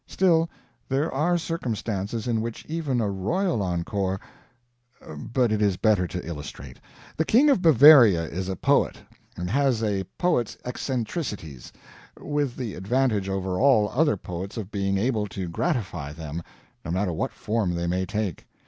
Still, there are circumstances in which even a royal encore But it is better to illustrate. The King of Bavaria is a poet, and has a poet's eccentricities with the advantage over all other poets of being able to gratify them, no matter what form they may take.